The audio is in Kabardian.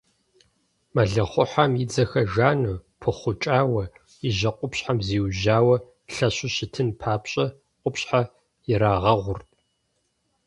Мэлыхъуэхьэм и дзэхэр жану, пыхъукӀауэ, и жьэ къупщхьэм зиужьауэ, лъэщу щытын папщӀэ къупщхьэ ирагъэгъурт.